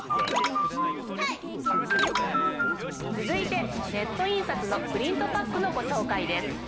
続いてネット印刷のプリントパックのご紹介です。